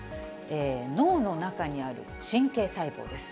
脳の中にある神経細胞です。